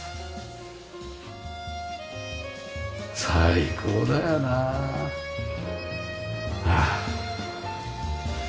最高だよなああ。